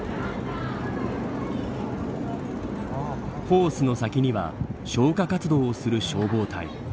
ホースの先には消火活動をする消防隊。